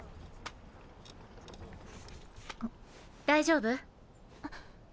大丈夫？